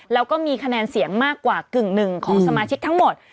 แล้วก็มีคะแนนเสียงมากกว่ากึ่งหนึ่งของสมาชิกทั้งหมด